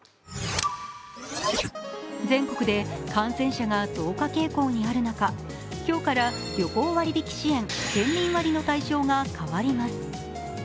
全国で感染者が増加傾向にある中、今日から旅行割り引き支援、県民割の対象が変わります。